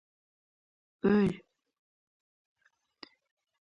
faqatgina quloq o‘zini eshita oladi.